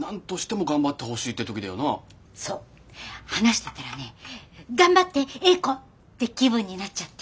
そう話してたらね「頑張って詠子！」って気分になっちゃって。